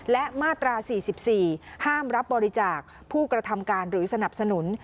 และมาตรา๔๔ห้ามรับบริจาคผู้กระทำการหรือสนับสนุน